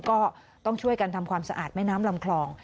ก็ต้องช่วยกันทำความสะอาดแม่น้ำลำคลอง